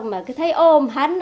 mà cứ thấy ôm hắn